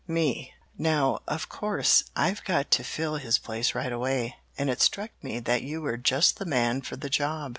"Me Now, of course, I've got to fill his place right away, and it struck me that you were just the man for the job.